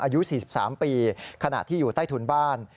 อายุ๔๓ปีขณะที่อยู่ใต้ถุนบ้าน